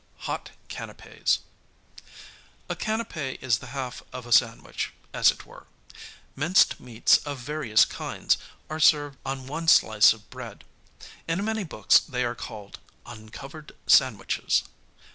67 Hot Canapķs A canapķ is the half of a sandwich, as it were. Minced meats of various kinds are served on one slice of bread. In many books they are called "uncovered sandwiches."